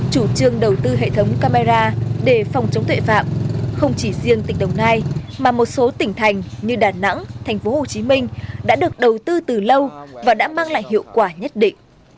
chủ trương đầu tư hệ thống camera để phòng chống tuệ phạm không chỉ riêng tỉnh đồng nai mà một số tỉnh thành như đà nẵng thành phố hồ chí minh đã được đầu tư từ lâu và đã mang lại hiệu quả nhất định